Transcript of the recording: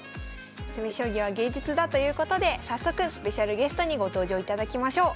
「詰将棋は芸術だ」ということで早速スペシャルゲストにご登場いただきましょう。